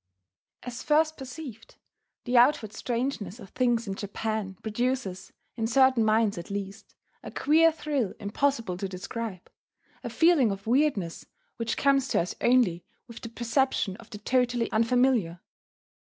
As first perceived, the outward strangeness of things in Japan produces (in certain minds, at least) a queer thrill impossible to describe, a feeling of weirdness which comes to us only with the perception of the totally unfamiliar.